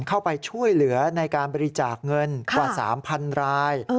เข้าไปช่วยเหลือในการบริจาคเงินกว่า๓๐๐ราย